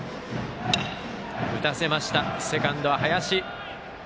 打たせました、セカンドは林。